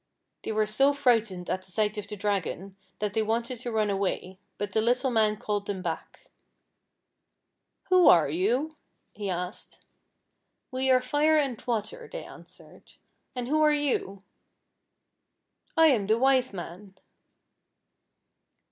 They were so frightened at the sight of the Dragon that they wanted to run away, but the httle man called them back. " Who are you ?" he asked. " We are Fire and Water," they answered. " And who are you .''"" I am the Wise Man."